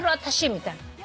私みたいな。